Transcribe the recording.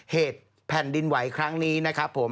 เหตุแผ่นดินไหวครั้งนี้นะครับผม